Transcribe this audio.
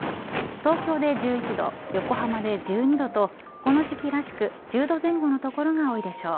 東京で１１度、横浜で１２度とこの時期らしく１０度前後の所が多いでしょう。